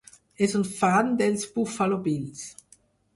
És un fan dels Buffalo Bills.